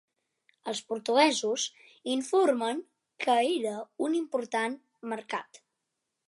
Els portuguesos informen que era un important mercat.